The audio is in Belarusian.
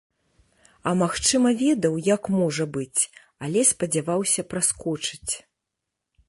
А магчыма, ведаў, як можа быць, але спадзяваўся праскочыць.